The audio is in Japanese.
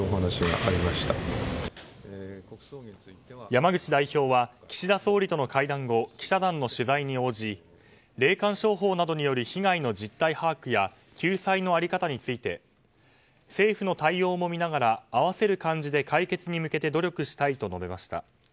山口代表は岸田総理との会談後記者団の取材に応じ霊感商法などによる被害の実態把握や救済の在り方について政府の対応も見ながら合わせる感じで解決に向けて努力したいと述べました。